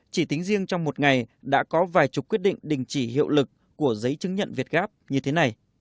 chỉ tính riêng trong một ngày đã có vài chục quyết định đình chỉ hiệu lực của giấy chứng nhận việt gáp như thế này